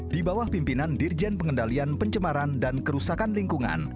di bawah pimpinan dirjen pengendalian pencemaran dan kerusakan lingkungan